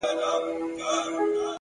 وخت د هر چا لپاره مساوي دی؛